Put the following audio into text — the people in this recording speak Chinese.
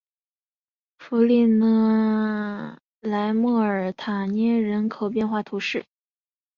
弗利讷莱莫尔塔涅人口变化图示